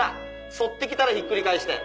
反って来たらひっくり返して。